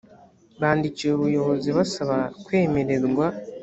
bandikira ubuyobozi basaba kwemererwa